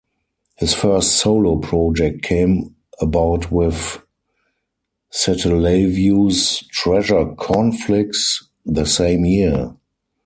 His first solo project came about with Satellaview's "Treasure Conflix" the same year.